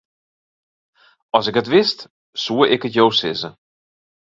As ik it wist, soe ik it jo sizze.